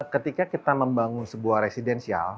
ketika kita membangun sebuah residensial